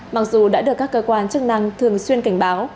mặc dù đã được các cơ quan chức năng thường xuyên cảnh báo